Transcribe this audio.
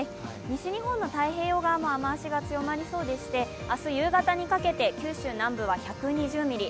西日本の太平洋側も雨足が強まりそうでして明日夕方にかけて九州南部は１２０ミリ